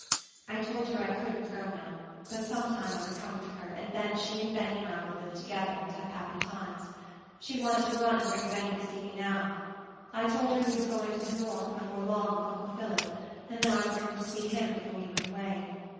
I told her I couldn't go now; but sometime I would come to her, and then she and Benny and I would live together, and have happy times. She wanted to run and bring Benny to see me now. I told her he was going to the north, before long, with uncle Phillip, and then I would come to see him before he went away.